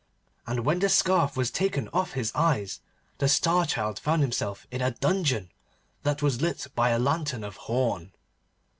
And when the scarf was taken off his eyes, the Star Child found himself in a dungeon, that was lit by a lantern of horn.